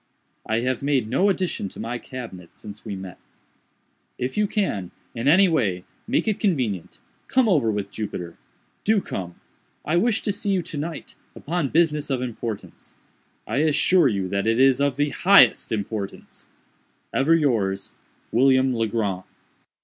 "I have made no addition to my cabinet since we met. "If you can, in any way, make it convenient, come over with Jupiter. Do come. I wish to see you to night, upon business of importance. I assure you that it is of the highest importance. "Ever yours, "WILLIAM LEGRAND".